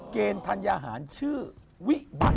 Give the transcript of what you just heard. เกรนธรรยาหารชื่อวิบัติ